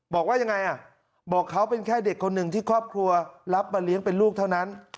บอกว่ายังไงอ่ะบอกเขาเป็นแค่เด็กคนหนึ่งที่ครอบครัวรับมาเลี้ยงเป็นลูกเท่านั้น